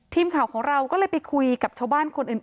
ทีมข่าวของเราก็เลยไปคุยกับชาวบ้านคนอื่น